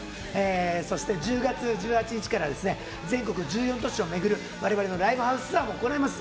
そして１０月１８日から全国１４都市を巡るバリバリのライブハウスツアーも行います。